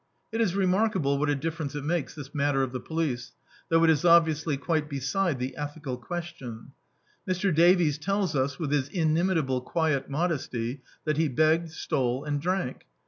It is remarkable what a differ' ence it makes, this matter of the police; chou^ it is obviously quite beside the ethical questitm. Mr. Davies tells us, with his inimitable quiet modesty, that he b^ged, stole, and drank.